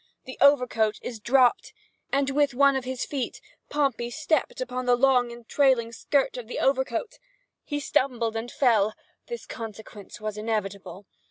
The overcoat is dropped, and, with one of his feet, Pompey stepped upon the long and trailing skirt of the overcoat. He stumbled and fell—this consequence was inevitable.